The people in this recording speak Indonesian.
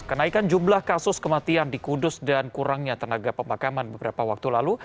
kenaikan jumlah kasus kematian di kudus dan kurangnya tenaga pemakaman beberapa waktu lalu